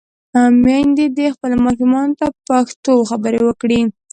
میندې دې خپلو ماشومانو ته پښتو خبرې وکړي.